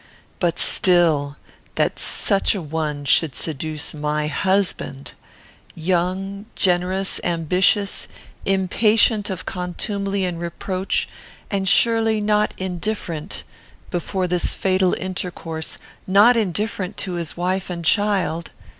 But still, that such a one should seduce my husband; young, generous, ambitious, impatient of contumely and reproach, and surely not indifferent; before this fatal intercourse, not indifferent to his wife and child!